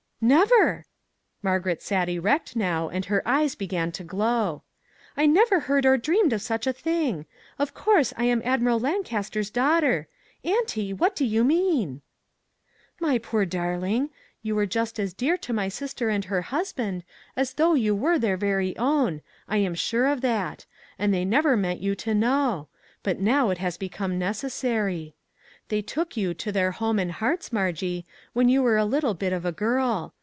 "" Never !" Margaret sat erect now, and her eyes began to glow ; "I never heard or dreamed of such a thing; of course, I am Admiral Lancaster's daughter. Auntie, what do you mean ?"" My poor darling ! you were just as dear to my sister and her husband as though you were their very own; I am sure of that; and they never meant you to know; but now it has be come necessary. They took you to their home and hearts, Margie, when you were a little bit of a girl.